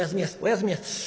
おやすみやす」。